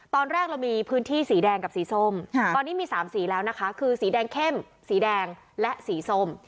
ตอนแรกเรามีพื้นที่สีแดงกับสีส้มตอนนี้มี๓สีแล้วนะคะคือสีแดงเข้มสีแดงและสีส้ม